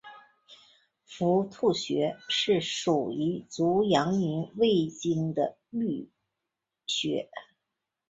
伏兔穴是属于足阳明胃经的腧穴。